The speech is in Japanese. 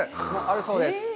あるそうです。